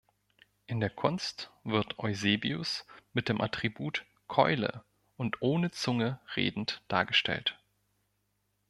In der Kunst wird Eusebius mit dem Attribut Keule und ohne Zunge redend dargestellt.